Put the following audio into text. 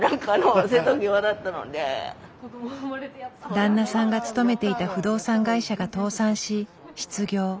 旦那さんが勤めていた不動産会社が倒産し失業。